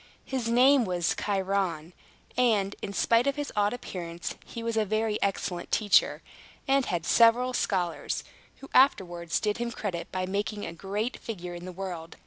His name was Chiron; and, in spite of his odd appearance, he was a very excellent teacher, and had several scholars, who afterwards did him credit by making a great figure in the world.